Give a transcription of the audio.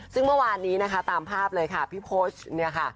ซึ่งเมื่อวานนี้นะคะตามภาพเลยค่ะพี่โพสต์เนี่ยค่ะ